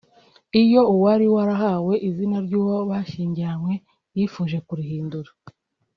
Iyo uwari warahawe izina ry’uwo bashyingiranywe yifuje kurihindura